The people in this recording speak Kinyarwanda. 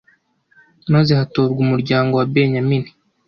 maze hatorwa umuryango wa benyamini